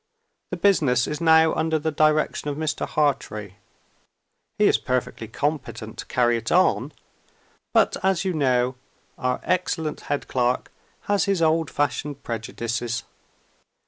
The business is now under the direction of Mr. Hartrey. He is perfectly competent to carry it on; but, as you know, our excellent head clerk has his old fashioned prejudices.